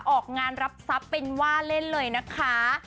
ออกงานรับทรัพย์เป็นว่าเล่นเลยนะคะ